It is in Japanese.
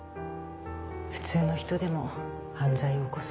普通の人でも犯罪を起こす。